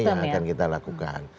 otomatis ini yang akan kita lakukan